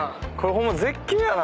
ホンマ絶景やな。